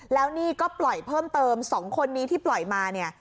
แล้วนี่ก็ปล่อยเพิ่มเติม๒คนนี้ที่ปล่อยมาเนี่ย